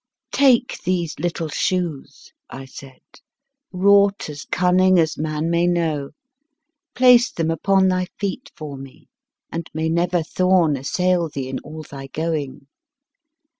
"Take these little shoes," I said, "wrought as cunning as man may know. Place them upon thy feet for me, and may never thorn assail thee in all thy going.